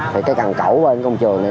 thì cái cằn cẩu bên công trường này